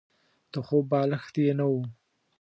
د خوب بالښت يې نه وو.